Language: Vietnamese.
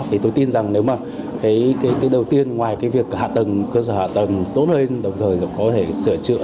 thì tôi tin rằng nếu mà cái đầu tiên ngoài cái việc hạ tầng cơ sở hạ tầng tốt hơn đồng thời có thể sửa chữa